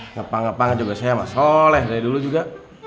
ngapain ngapain juga saya mah soleh dari dulu juga